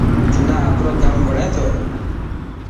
تنا آپرو ڪم وڻي ٿو.